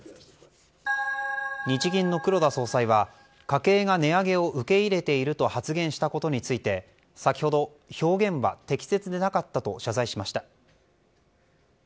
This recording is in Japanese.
日銀の黒田総裁は家計が値上げを受け入れていると発言したことについて先ほど、表現は適切でなかったと謝罪しました。